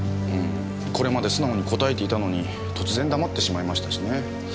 うーんこれまで素直に答えていたのに突然黙ってしまいましたしね。